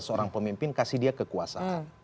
seorang pemimpin kasih dia kekuasaan